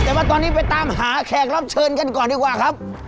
แต่ว่าตอนนี้ไปตามหาแขกรับเชิญกันก่อนดีกว่าครับ